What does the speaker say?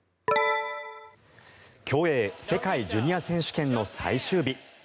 競泳世界ジュニア選手権の最終日。